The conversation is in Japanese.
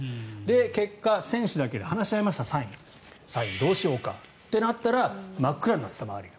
結果、選手だけで話し合いましたサイン、どうしようか真っ暗になっていた、周りが。